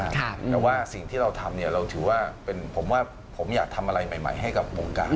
แต่ว่าสิ่งที่เราทำเนี่ยเราถือว่าผมว่าผมอยากทำอะไรใหม่ให้กับวงการ